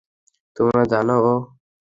তোমার জন্যে ও।